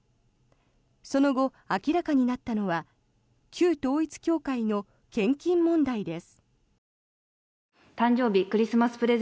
その後、明らかになったのは旧統一教会の献金問題です。